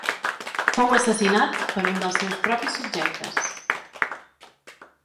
Fou assassinat per un dels seus propis subjectes.